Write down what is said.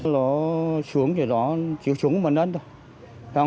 nó xuống thì nó xuống mình lên thôi